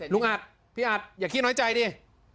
ลุงอัดพี่อัดอย่าขี้น้อยใจดิ